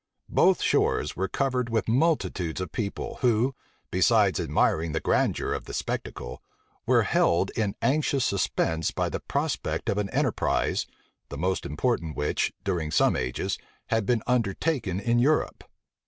Both shores were covered with multitudes of people, who, besides admiring the grandeur of the spectacle, were held in anxious suspense by the prospect of an enterprise, the most important which, during some ages, had been undertaken in Europe.